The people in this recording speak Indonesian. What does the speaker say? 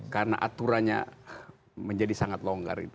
karena aturannya menjadi sangat longgar